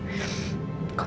justru akan aneh ya